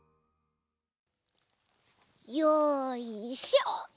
よいしょ！